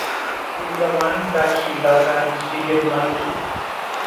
He's the one that she loves and she gives money to.